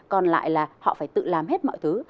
còn lại là họ phải tự làm hết mọi thứ